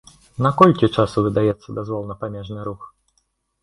На колькі часу выдаецца дазвол на памежны рух?